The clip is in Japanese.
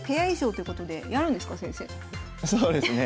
そうですね。